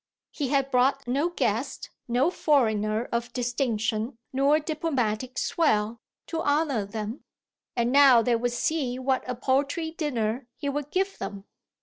He had brought no guest, no foreigner of distinction nor diplomatic swell, to honour them, and now they would see what a paltry dinner he would give them.